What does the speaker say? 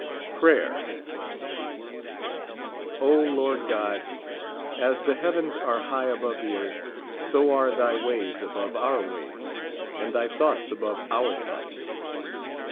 Prayer. O Lord God, as the heavens are high above the earth, so are thy ways above our wa\'s, and thy thoughts above our thoughts.